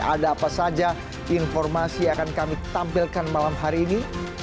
ada apa saja informasi yang akan kami tampilkan malam hari ini